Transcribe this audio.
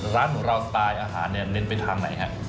ร้านของเราสไตล์อาหารเนี่ยเน้นไปทางไหนฮะ